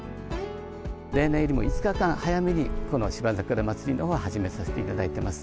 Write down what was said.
例年よりも５日間早めに、この芝桜まつりのほうは始めさせていただいています。